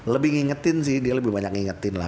lebih ngingetin sih dia lebih banyak ngingetin lah